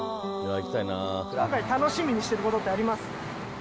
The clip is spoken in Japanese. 今回楽しみにしてることってあります？